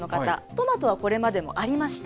トマトはこれまでもありました。